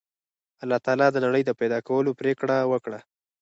الله تعالی د نړۍ د پیدا کولو پرېکړه وکړه